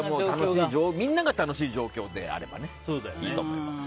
みんなが楽しい状況であればいいと思います。